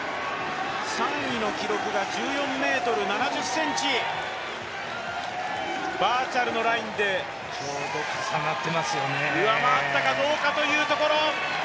３位の記録が１４ｍ７０ｃｍ、バーチャルのラインで上回ったかどうかというところ。